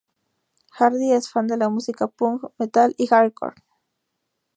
Hardy es fan de la música punk, metal y hardcore.